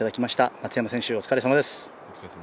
松山選手、お疲れさまです。